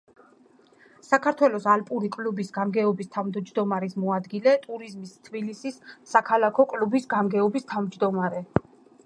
საქართველოს ალპური კლუბის გამგეობის თავმჯდომარის მოადგილე, ტურიზმის თბილისის საქალაქო კლუბის გამგეობის თავმჯდომარე.